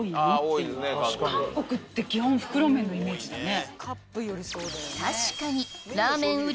韓国って基本袋麺のイメージだね。